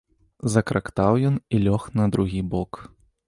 Закрактаў ён і лёг на другі бок.